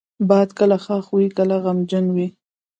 باد کله خوښ وي، کله غمجنه وي